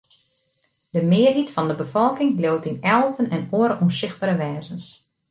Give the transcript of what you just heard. De mearheid fan de befolking leaut yn elven en oare ûnsichtbere wêzens.